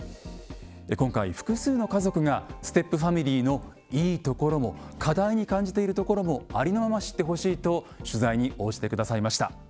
今回複数の家族がステップファミリーのいいところも課題に感じているところもありのまま知ってほしいと取材に応じてくださいました。